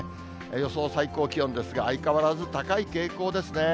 予想最高気温ですが、相変わらず高い傾向ですね。